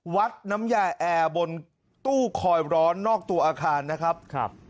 วัดน้ำยาแอร์บนตู้คอยร้อนนอกตัวอาคารนะครับครับ